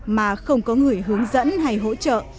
mà không có người hướng dẫn hay hỗ trợ